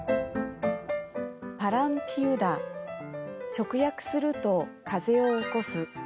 直訳すると「風を起こす」。